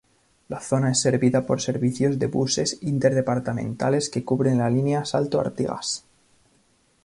La zona es servida por servicios de buses interdepartamentales que cubren la línea Salto-Artigas.